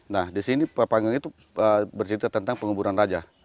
nah di sini papanggang itu bercerita tentang penguburan raja